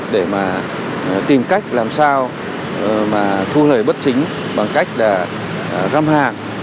để mà tìm cách làm sao mà thu lời bất chính bằng cách găm hàng